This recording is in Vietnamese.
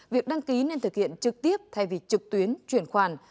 việc đăng ký nên thực hiện trực tiếp thay vì trực tuyến chuyển khoản